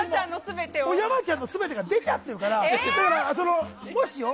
山ちゃんの全てが出ちゃってるからだから、もしよ。